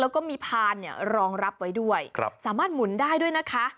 แล้วก็มีพานเนี่ยรองรับไว้ด้วยสามารถหมุนได้ด้วยนะคะ